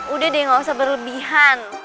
udah deh gak usah berlebihan